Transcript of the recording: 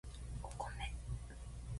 お米